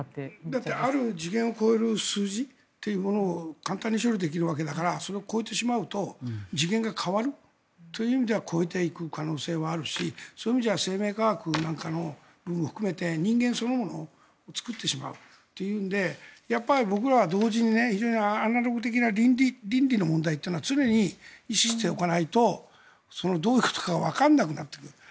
だって、ある次元を超える数字というものを簡単に処理できるわけだからそれを超えてしまうと次元が変わるという意味では超えていく可能性はあるしそういう意味じゃ生命科学なんかも含めて人間そのものを作ってしまうというんで僕らは同時に非常にアナログ的な倫理の問題っていうのは常に意識しておかないとどういうことかわからなくなってくる。